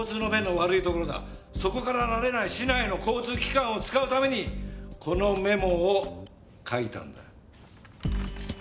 そこから慣れない市内の交通機関を使うためにこのメモを書いたんだ。